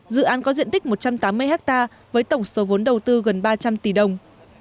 dự án có diện tích một trăm tám mươi hectare với tổng số vốn đầu tư gần ba trăm linh tỷ đồng